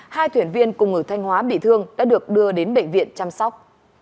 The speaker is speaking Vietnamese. hai thuyền viên cùng ở thanh hóa bị thương đã được đưa đến bệnh viện chăm sóc